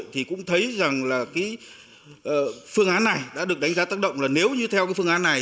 thì cũng thấy rằng phương án này đã được đánh giá tác động là nếu như theo phương án này